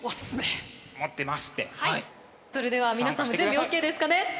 それでは皆さん準備ＯＫですかね？